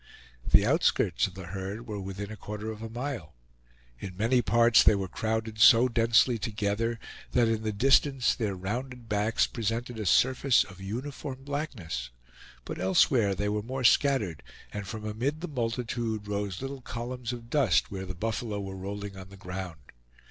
The outskirts of the herd were within a quarter of a mile. In many parts they were crowded so densely together that in the distance their rounded backs presented a surface of uniform blackness; but elsewhere they were more scattered, and from amid the multitude rose little columns of dust where the buffalo were rolling on the ground.